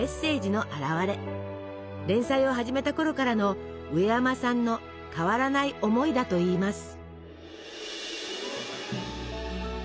連載を始めたころからのうえやまさんの変わらない思いだといいます。